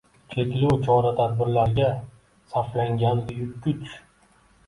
cheklov choralariga sarflangan buyuk kuch